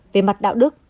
về mặt đạo đức